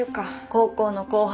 高校の後輩。